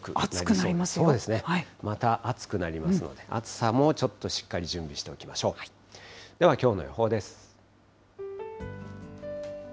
そうですね、また暑くなりますので、暑さもちょっとしっかり準備しておきましょう。